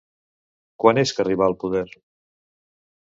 Quan és que arribà al poder?